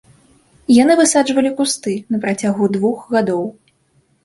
Яны высаджвалі кусты на працягу двух гадоў.